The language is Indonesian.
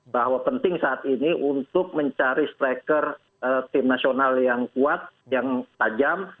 bahwa penting saat ini untuk mencari striker tim nasional yang kuat yang tajam